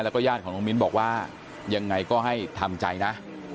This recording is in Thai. แล้วก็ญาติของน้องมิ้นบอกว่ายังไงก็ให้ทำใจนะ